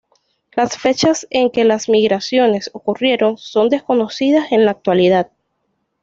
Las fechas en que las migraciones ocurrieron son desconocidas en la actualidad.